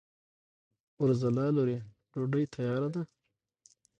اورځلا لورې! ډوډۍ تیاره ده؟